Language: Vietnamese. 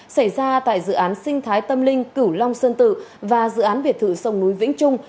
xảy ra tại dự án sinh thái tâm linh cửu long sơn tự và dự án biệt thự sông núi vĩnh trung